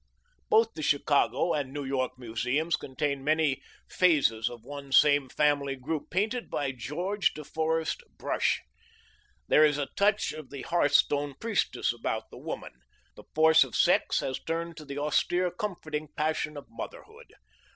Both the Chicago and New York museums contain many phases of one same family group, painted by George de Forest Brush. There is a touch of the hearthstone priestess about the woman. The force of sex has turned to the austere comforting passion of motherhood.